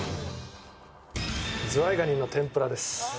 ズワイ蟹の天ぷらです。